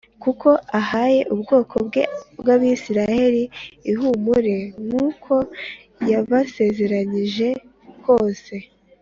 kuko ahaye ubwoko bwe bw’Abisirayeli ihumure nk’uko yabasezeranije kose